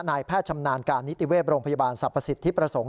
นายแพทย์ชำนาญการนิติเวศโรงพยาบาลสรรพสิทธิประสงค์